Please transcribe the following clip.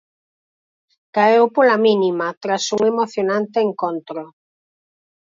Caeu pola mínima tras un emocionante encontro.